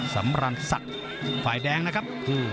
สำรันศักดิ์ฝ่ายแดงนะครับ